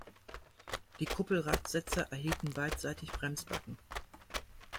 Die Kuppelradsätze erhielten beidseitig Bremsbacken.